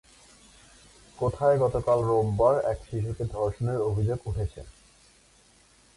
কোথায় গতকাল রোববার এক শিশুকে ধর্ষণের অভিযোগ উঠেছে?